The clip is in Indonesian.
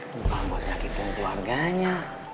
bukan buat nyakitin keluarganya